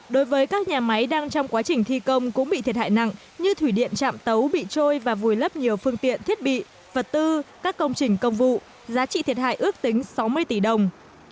đối với các nhà máy đang trong quá trình thi công cũng bị thiệt hại nặng như thủy điện trạm tấu bị trôi và vùi lấp nhiều phương tiện thiết bị vật tư các công trình công vụ giá trị thiệt hại ước tính sáu mươi tỷ đồng